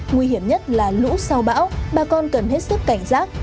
nguy hiểm nhất là lũ sau bão bà con cần hết sức cảnh giác